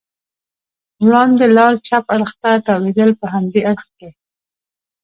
وړاندې لار چپ اړخ ته تاوېدل، په همدې اړخ کې.